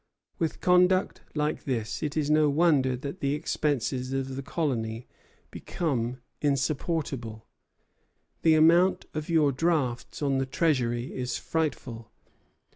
With conduct like this it is no wonder that the expenses of the colony become insupportable. The amount of your drafts on the treasury is frightful.